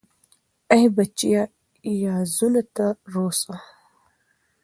ای بچای، یازور ته روڅه